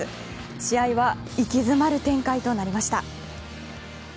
試合は息詰まる展開となりました。